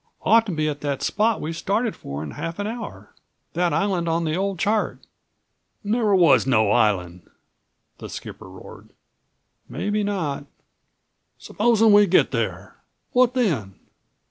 "Ought to be at the spot we started for in half an hour—that island on the old chart." "Never was no island," the skipper roared. "Maybe not." "Supposin' we get there, what then?"